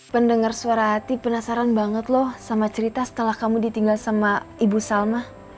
pendengar suara hati penasaran banget loh sama cerita setelah kamu ditinggal sama ibu salma